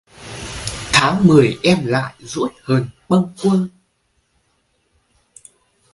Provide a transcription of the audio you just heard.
Tháng mười em lại dỗi hờn bâng quơ